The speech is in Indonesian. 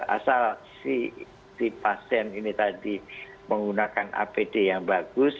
asal si pasien ini tadi menggunakan apd yang bagus